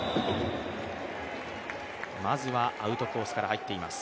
まずはアウトコースから入っています。